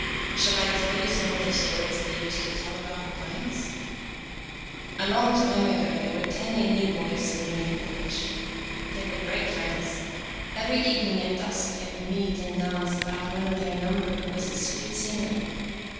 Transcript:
Shall I tell you some of the stories they used to tell about the pines .^^ A long time ago there were ten Indian boys living in a village. They were great friends. Every evening at dusk they would meet and dance about one of their number who was a sweet singer.